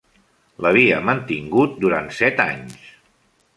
L'havia mantingut durant set anys.